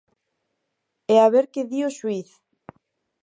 E a ver que di o xuíz.